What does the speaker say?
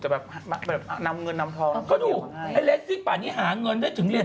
แต่แบบนำเงินนำทองก็ดูไอ้เล็กสิป่านนี้หาเงินได้ถึงเรียน